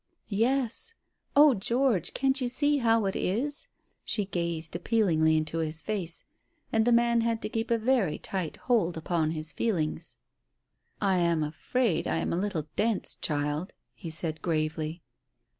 "Yes. Oh, George, can't you see how it is?" She gazed appealingly into his face. And the man had to keep a very tight hold upon his feelings. "I am afraid I am a little dense, child," he said gravely.